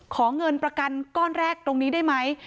ขอเงินประกันก้อนแรกตรงนี้ได้ไหม